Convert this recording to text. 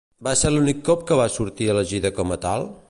Va ser l'únic cop que va sortir elegida com a tal?